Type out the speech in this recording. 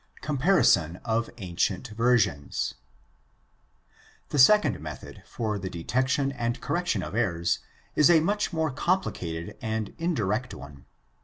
Comparison of ancient versions. — The second method for the detection and correction of errors is a much more compli cated and indirect one.